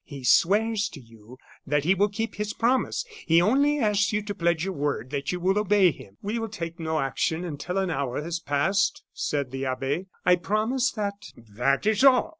He swears to you that he will keep his promise; he only asks you to pledge your word that you will obey him " "We will take no action until an hour has passed," said the abbe. "I promise that " "That is all.